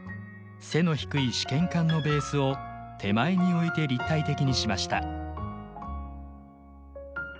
背の低い試験管のベースを手前に置いて立体的にしました。